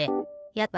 やった！